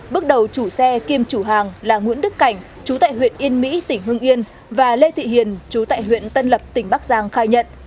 bước đầu chủ xe kiêm chủ hàng là nguyễn đức cảnh chú tại huyện yên mỹ tỉnh hương yên và lê thị hiền chú tại huyện tân lập tỉnh bắc giang khai nhận